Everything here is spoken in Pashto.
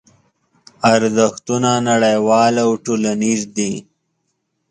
ارزښتونه نړیوال او ټولنیز دي.